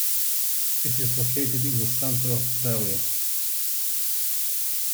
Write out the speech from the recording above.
It is located in the centre of Tralee.